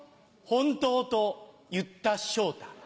「本当？」と言った昇太。